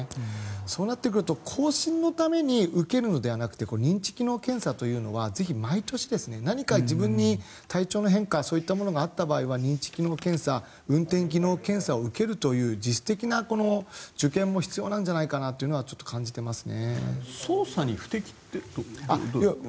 そうなってくると更新のために受けるのではなくて認知機能検査というのはぜひ毎年、何か自分に体調の変化そういったものがあった場合は認知機能検査や運転技能検査を受けるという自主的な受検も必要なんじゃないかと感じていますね。